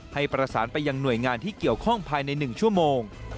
ให้ประสานไปยังหน่วยงานที่เกี่ยวข้องภายใน๑ชั่วโมง